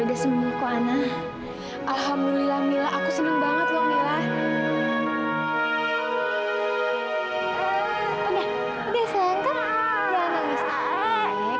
sudah senyum aku anna alhamdulillah mila aku seneng banget loh mila udah udah seneng kan jangan nangis